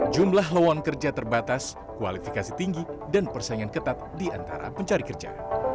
jumlah lowan kerja terbatas kualifikasi tinggi dan persaingan ketat diantara pencari kerja